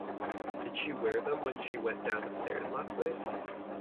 Did she wear them when she went down the stairs last night?